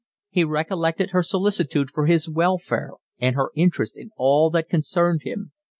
He recollected her solicitude for his welfare and her interest in all that concerned him.